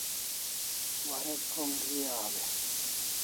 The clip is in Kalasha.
Warek krom gri aw e?